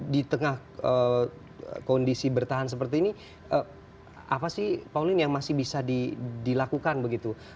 di tengah kondisi bertahan seperti ini apa sih pak oline yang masih bisa dilakukan begitu